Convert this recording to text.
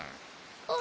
あっ。